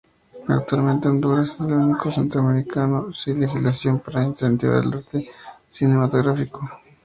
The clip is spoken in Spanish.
Actualmente Honduras es el único país centroamericano sin legislación para incentivar el arte cinematográfico.